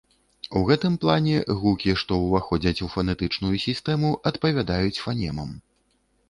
У гэтым плане гукі, што ўваходзяць у фанетычную сістэму, адпавядаюць фанемам.